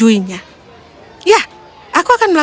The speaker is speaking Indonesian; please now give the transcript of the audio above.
hanya ada satu wanita